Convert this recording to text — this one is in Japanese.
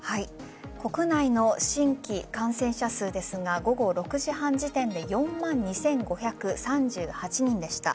国内の新規感染者数ですが午後６時半時点で４万２５３８人でした。